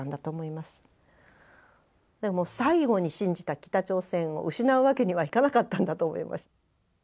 でも最後に信じた北朝鮮を失うわけにはいかなかったんだと思います。